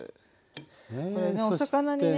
これねお魚にね。